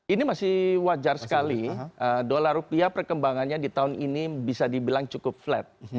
ini masih wajar sekali dolar rupiah perkembangannya di tahun ini bisa dibilang cukup flat